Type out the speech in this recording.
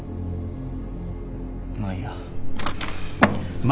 「まあいいや。